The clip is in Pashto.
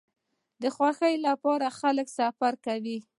د خوښۍ لپاره خلک سفر کوي.